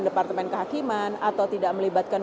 departemen kehakiman atau tidak melibatkan